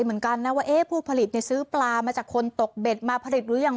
เหมือนกันนะว่าผู้ผลิตซื้อปลามาจากคนตกเบ็ดมาผลิตหรือยัง